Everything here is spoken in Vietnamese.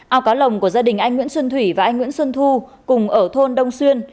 ao cá lồng của gia đình anh nguyễn xuân thủy và anh nguyễn xuân thu cùng ở thôn đông xuyên